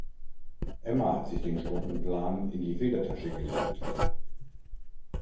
Emma hat sich den Stundenplan in die Federtasche gelegt.